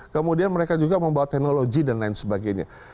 kemudian mereka juga membawa teknologi dan lain sebagainya